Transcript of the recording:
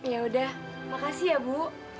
yaudah makasih ya bu